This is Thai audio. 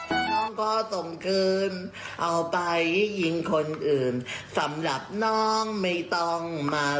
อื้มมมมหนูหนูหนูหนูนั่นนา